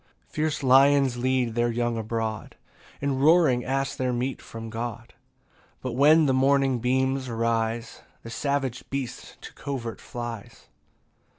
16 Fierce lions lead their young abroad, And roaring ask their meat from God; But when the morning beams arise, The savage beast to covert flies.